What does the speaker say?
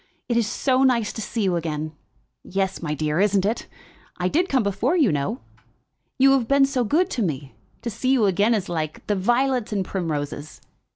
"It is so nice to see you again." "Yes, my dear, isn't it? I did come before, you know." "You have been so good to me! To see you again is like the violets and primroses."